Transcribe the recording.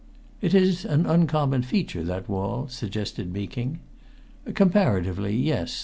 "It is an uncommon feature, that wall?" suggested Meeking. "Comparatively yes.